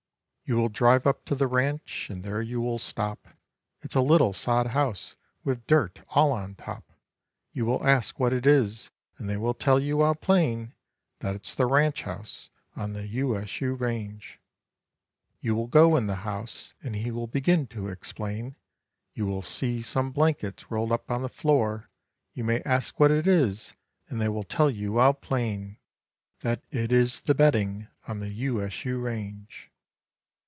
You will drive up to the ranch and there you will stop. It's a little sod house with dirt all on top. You will ask what it is and they will tell you out plain That it's the ranch house on the U S U range. You will go in the house and he will begin to explain; You will see some blankets rolled up on the floor; You may ask what it is and they will tell you out plain That it is the bedding on the U S U range.